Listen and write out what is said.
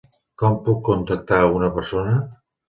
Com puc contactar a una persona?